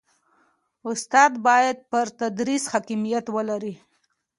استاد باید پر تدریس حاکمیت ولري.